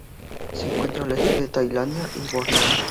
Se encuentra al este de Tailandia y Borneo.